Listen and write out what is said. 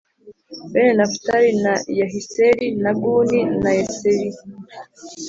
Bene Nafutali ni Yahiseli na Guni na Yeseri